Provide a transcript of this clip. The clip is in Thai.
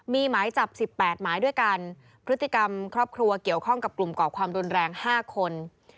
มีหมายจับ๑๘หมายด้วยกันพฤติกรรมครอบครัวเกี่ยวข้องกับกลุ่มก่อความรุนแรง๕คน